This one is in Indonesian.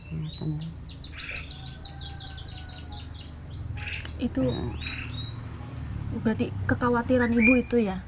itu berarti kekhawatiran ibu itu ya